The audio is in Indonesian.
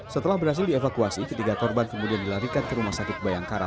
setelah berhasil dievakuasi ketiga korban kemudian dilarikan ke rumah sakit bayangkara